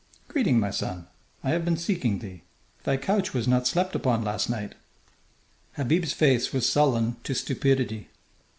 "Greeting, my son. I have been seeking thee. Thy couch was not slept upon last night." Habib's face was sullen to stupidity.